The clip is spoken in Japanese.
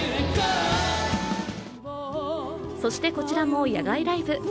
そして、こちらも野外ライブ。